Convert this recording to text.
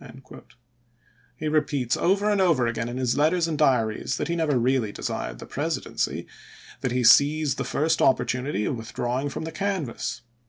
p ch™e>" He repeats over and over again in his letters and diaries that he never really desired the Presidency ; that he seized the first opportunity of withdrawing from the canvass.